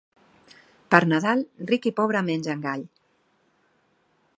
Per Nadal, ric i pobre mengen gall.